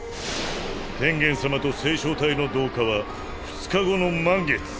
天元様と星漿体の同化は２日後の満月。